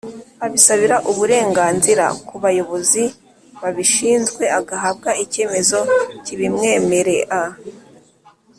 abisabira uburenganzira ku bayobozi babishinzwe agahabwa icyemezo kibimwemerea.